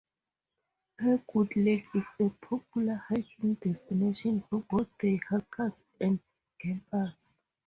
Packwood lake is a popular hiking destination for both day hikers and campers.